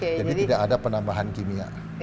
jadi tidak ada penambahan kimia